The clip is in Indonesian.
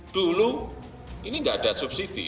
dulu ini nggak ada subsidi